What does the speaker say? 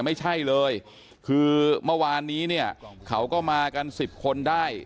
ไม่ใช่เลยคือเมื่อวานนี้เนี่ยเขาก็มากัน๑๐คนได้